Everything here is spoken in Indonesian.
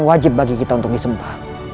wajib bagi kita untuk disempah